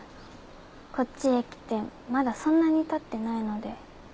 こっちへ来てまだそんなにたってないので。